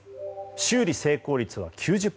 修理成功率は９０％。